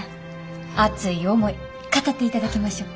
熱い思い語っていただきましょう。